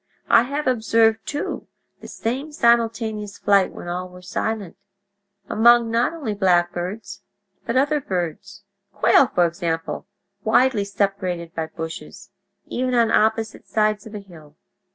I have observed, too, the same simultaneous flight when all were silent, among not only blackbirds, but other birds—quail, for example, widely separated by bushes—even on opposite sides of a hill.